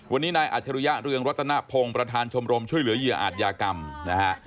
วันนี้นายอัจฉริยะเรืองรัตนพงศ์ประธานชมรมช่วยเหลือเหยื่ออาจยากรรมนะฮะ